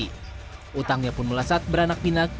utangnya pun melesat beranak pinak